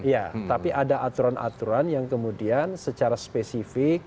ya tapi ada aturan aturan yang kemudian secara spesifik